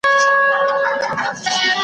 بس ښکارونه وه مېلې وې مهمانۍ وې .